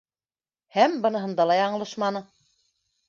Һәм быныһында ла яңылышманы.